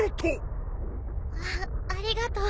あありがとう。